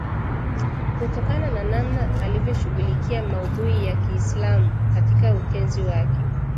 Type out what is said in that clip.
Kutokana na namna alivyoshughulikia maudhui ya Kiislamu katika utenzi wake